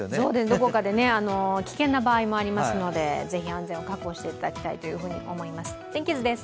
どこかで危険な場合もありますので、ぜひ安全を確保していただき天気図です。